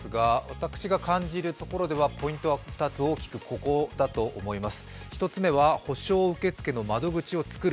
見た方も多いと思いますが私が感じるところではポイントは２つ大きくここだと思います。